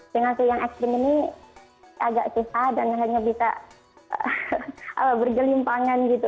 dengan hasil yang ekstrim ini agak susah dan hanya bisa bergelimpangan gitu